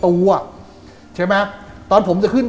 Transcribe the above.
บางคนก็สันนิฐฐานว่าแกโดนคนติดยาน่ะ